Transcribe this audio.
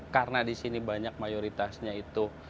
karena di sini banyak mayoritasnya itu